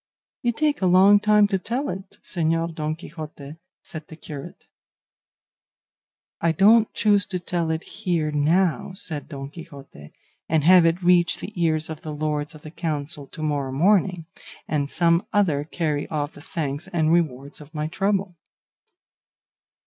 "You take a long time to tell it, Señor Don Quixote," said the curate. "I don't choose to tell it here, now," said Don Quixote, "and have it reach the ears of the lords of the council to morrow morning, and some other carry off the thanks and rewards of my trouble."